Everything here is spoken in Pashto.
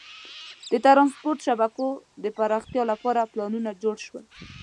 د ترانسپورت شبکو د پراختیا لپاره پلانونه جوړ شول.